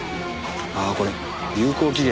ああこれ有効期限